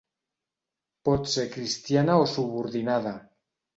Pot ser cristiana o subordinada.